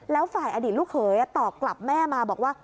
แล้วฝ่ายอดีตลูกเขยตอบกลับแม่มาบอกว่า